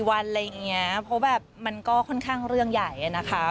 อะไรแบบนี้เพราะมันก็ค่อนข้างเรื่องใหญ่น่าเปล่า